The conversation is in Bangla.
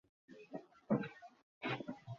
ইঁহারা নিজ নিজ আত্মাকে মন্থন করেন।